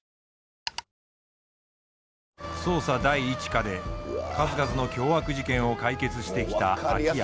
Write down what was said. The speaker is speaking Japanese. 捜査第一課で数々の凶悪事件を解決してきた秋山。